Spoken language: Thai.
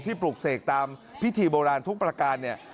ปลูกเสกตามพิธีโบราณทุกประการเนี่ย